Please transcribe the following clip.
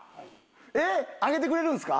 えっ揚げてくれるんですか？